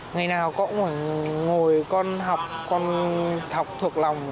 ngày nào cũng phải ngồi con học con học thuộc lòng